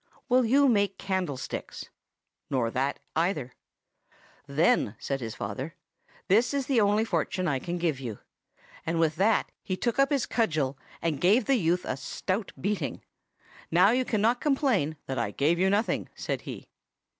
"'Will you make candlesticks?' "'Nor that either.' "'Then,' said his father, 'this is the only fortune I can give you;' and with that he took up his cudgel and gave the youth a stout beating. 'Now you cannot complain that I gave you nothing,' said he.